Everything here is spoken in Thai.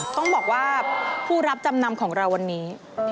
ต้องบอกว่าผู้รับจำนำของเราวันนี้